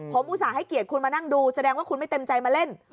ผมอุตส่าห์ให้เกียรติคุณมานั่งดูแสดงว่าคุณไม่เต็มใจมาเล่น